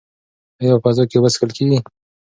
ایا په فضا کې اوبه څښل کیږي؟